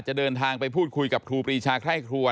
เดินทางไปพูดคุยกับครูปรีชาไคร่ครัว